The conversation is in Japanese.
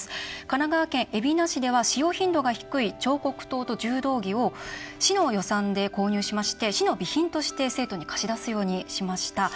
神奈川県海老名市では使用頻度が低い彫刻刀と柔道着を市の予算で購入しまして市の備品として生徒に貸し出すようにしました。